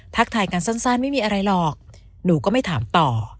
ทายกันสั้นไม่มีอะไรหรอกหนูก็ไม่ถามต่อ